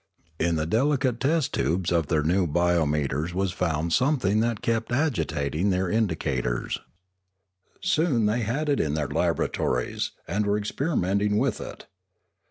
In the delicate test tubes of their new biotneters was found something that kept agitating their indicators. Soon they had it in their laboratories, and were experimenting with it.